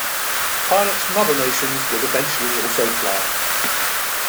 Pilots from other nations would eventually also fly.